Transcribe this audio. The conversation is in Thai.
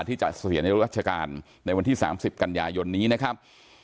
ที่จะเสียในรัชกาลในวันที่๓๐กันยายนนี้นะครับ